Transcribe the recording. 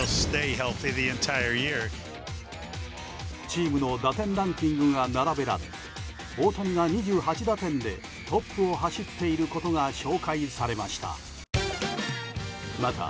チームの打点ランキングが並べられ大谷が２８打点でトップを走っていることが紹介されました。